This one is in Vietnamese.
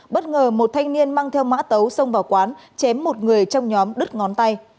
bất ngờ một thanh niên mang theo mã tấu xông vào quán chém một người trong nhóm đứt ngón tay